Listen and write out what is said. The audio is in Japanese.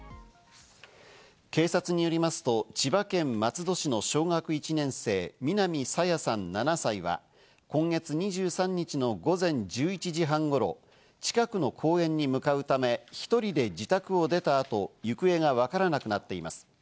警察によりますと千葉県松戸市の小学１年生、南朝芽さん７歳は今月２３日の午前１１時半頃、近くの公園に向かうため、１人で自宅を出た後、行方がわからなくなっています。